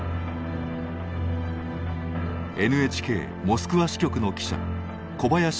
ＮＨＫモスクワ支局の記者小林和男さんです。